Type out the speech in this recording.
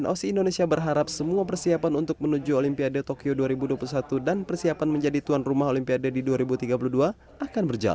noc indonesia berharap semua persiapan untuk menuju olimpiade tokyo dua ribu dua puluh satu dan persiapan untuk menuju olimpiade dua ribu dua puluh satu akan berhasil